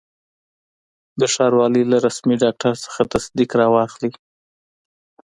د ښاروالي له رسمي ډاکټر څخه تصدیق را واخلئ.